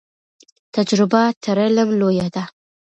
تجربه تر علم لویه ده.